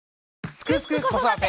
「すくすく子育て」！